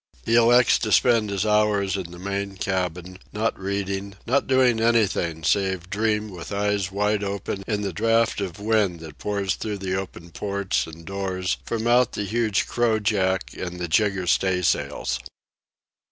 He elects to spend his hours in the main cabin, not reading, not doing anything save dream with eyes wide open in the draught of wind that pours through the open ports and door from out the huge crojack and the jigger staysails.